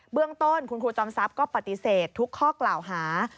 เรื่องต้นคุณครูจอมทรัพย์ก็ปฏิเสธทุกข้อกล่าวหา